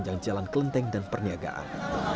yang memiliki applian